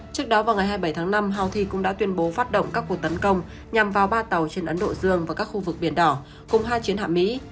trước đó vào ngày hai mươi bảy tháng năm houthi cũng đã tuyên bố phát động các cuộc tấn công nhằm vào ba tàu trên ấn độ dương và các khu vực biển đỏ cùng hai chiến hạ mỹ